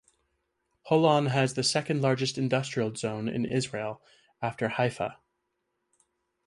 Holon has the second-largest industrial zone in Israel, after Haifa.